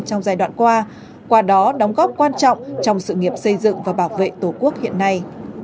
trong giai đoạn qua qua đó đóng góp quan trọng trong sự nghiệp xây dựng và bảo vệ tổ quốc hiện nay